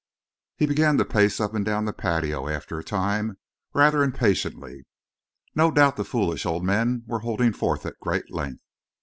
He began to pace up and down the patio, after a time, rather impatiently. No doubt the foolish old men were holding forth at great length.